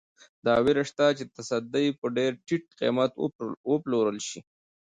دا وېره شته چې تصدۍ په ډېر ټیټ قیمت وپلورل شي.